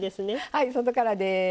はい外からです。